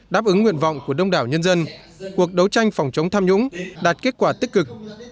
đáp ứng nguyện vọng của đông đảo nhân dân cuộc đấu tranh phòng chống tham nhũng đạt kết quả tích cực